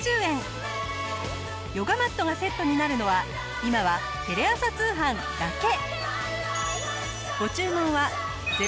ヨガマットがセットになるのは今はテレ朝通販だけ！